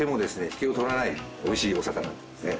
引けを取らないおいしいお魚ですね。